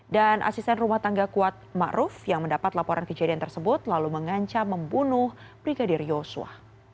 dan asisten rumah tangga kuat mak ruf yang mendapat laporan kejadian tersebut lalu mengancam membunuh brigadir yosua